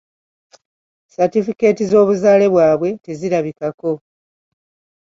Satifikeeti z'obuzaale bwabwe tezirabikako.